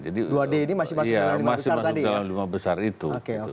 jadi masih masuk dalam lima besar itu